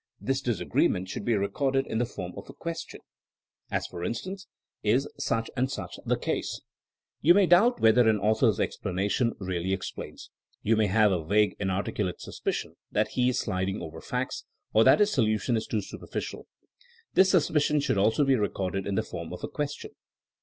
This disagreement should be recorded in the form of a question; 170 THINKINO AS A SCIENCE as for instance, '*Is such and such the caseT' You may doubt whether an author's explanation really explains. You may have a vague inar ticulate suspicion that he is sliding over facts, or that his solution is too superficial. This sus picion should also be recorded in the form of a question.